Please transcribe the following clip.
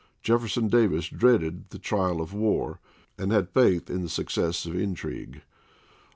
Jefferson Davis dreaded the trial of war, and had faith in the success of intrigue.